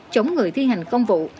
chống người thi hành công vụ